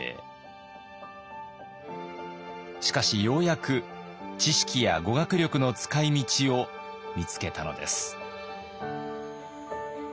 しかしようやく知識や語学力の使いみちを見つけたのです。